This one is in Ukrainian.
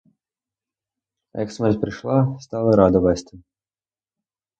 А як смерть прийшла — стали раду вести.